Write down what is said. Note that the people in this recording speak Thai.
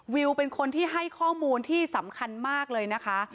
วิวเป็นคนที่ให้ข้อมูลที่สำคัญมากเลยนะคะ